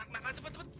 pak nakal cepet cepet